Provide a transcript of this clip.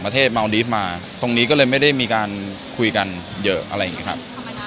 ประเทศมาอนดิฟท์มาตรงนี้ก็เลยไม่ได้มีการคุยกันเยอะอะไรแบบนี้ครับ